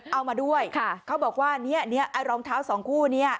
เอามาด้วยเขาบอกว่ารองเท้าสองคู่นี้